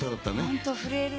本当、震えるね。